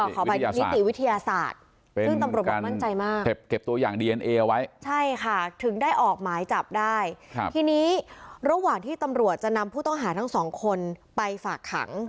ขออภัยนิติวิทยาศาสตร์ซึ่งตำรวจบอกมั่นใจมากเก็บตัวอย่างดีเอ็นเอเอาไว้ใช่ค่ะถึงได้ออกหมายจับได้ทีนี้ระหว่างที่ตำรวจจะนำผู้ต้องหาทั้งสองคนไปฝากขัง